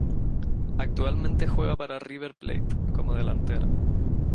Actualmente juega para River Plate como delantera.